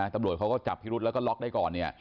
ตำรวจเขาก็จับพิรุธแล้วก็ล็อกได้ก่อนเนี่ย